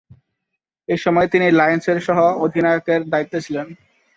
এ সময়ে তিনি লায়ন্সের সহঃ অধিনায়কের দায়িত্বে ছিলেন।